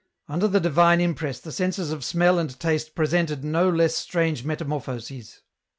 " Under the divine impress the senses of smell and taste presented no less strange metamorphoses.